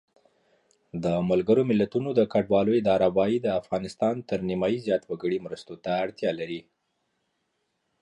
The "D"-class was specifically designed as a light and highly manoeuvrable rapid response craft.